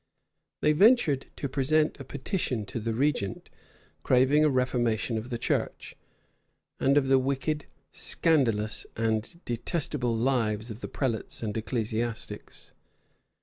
They ventured to present a petition to the regent, craving a reformation of the church, and of the "wicked, scandalous, and detestable" lives of the prelates and ecclesiastics.